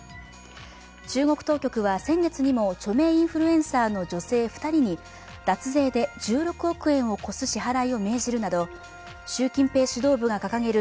中国当局は先月にも著名インフルエンサーの女性２人に脱税で１６億円を超す支払いを命じるなど習近平指導部が掲げる